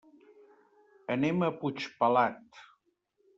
Anem a Puigpelat.